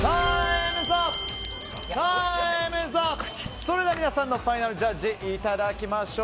それでは皆さんのファイナルジャッジいただきましょう。